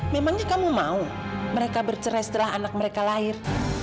mereka bercerai setelah anak mereka lahir